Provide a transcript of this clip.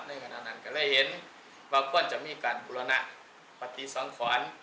ขณะนั้นก็เลยเห็นว่าควรจะมีการบุรณปฏิสังขร